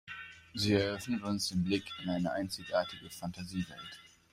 Sie eröffnet uns den Blick in eine einzigartige Fantasiewelt.